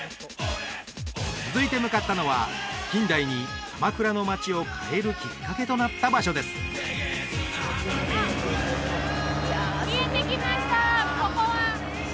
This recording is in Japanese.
続いて向かったのは近代に鎌倉の街を変えるきっかけとなった場所ですあっ